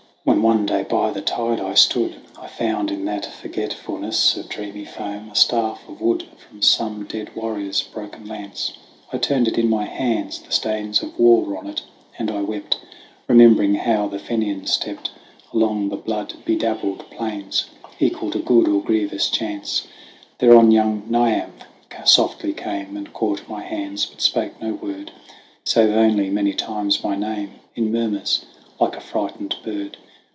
When one day by the shore I stood, I drew out of the numberless White flowers of the foam a staff of wood From some dead warrior's broken lance : I turned it in my hands ; the stains Of war were on it, and I wept, Remembering how the Fenians stept Along the blood bedabbled plains, Equal to good or grievous chance : Thereon young Niamh softly came And caught my hands, but spake no word THE WANDERINGS OF OISIN 91 Save only many times my name, In murmurs, like a frighted bird.